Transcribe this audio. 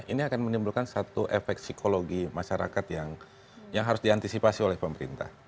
ini akan menimbulkan satu efek psikologi masyarakat yang harus diantisipasi oleh pemerintah